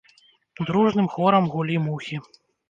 Дружным хорам гулі мухі.